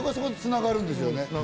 つながるんですよね。